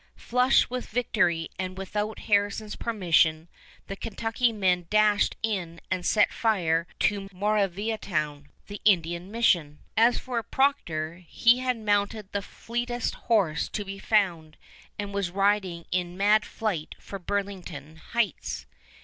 Flushed with victory and without Harrison's permission, the Kentucky men dashed in and set fire to Moraviantown, the Indian mission. As for Procter, he had mounted the fleetest horse to be found, and was riding in mad flight for Burlington Heights.